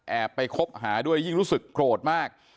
ไปคบหาด้วยยิ่งรู้สึกโกรธมาก